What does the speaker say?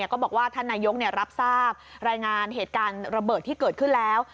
ก็บอกว่าท่านนายกรับทราบรายงานเหตุการณ์ระเบิดที่เกิดขึ้นแล้ว